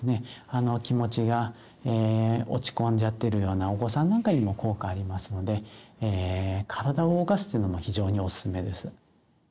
気持ちが落ち込んじゃってるようなお子さんなんかにも効果ありますので体を動かすというのも非常におすすめです。